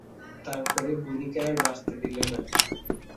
তার পরে বুড়ীকে আর বাঁচতে দিলে না।